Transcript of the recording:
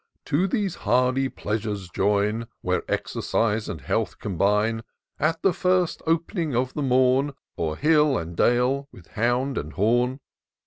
To these the hardy pleasures join. Where Exercise and Health combine : At the first op'ning of the morn. O'er hill and dale, with hound and horn.